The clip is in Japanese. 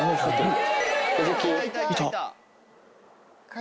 いた。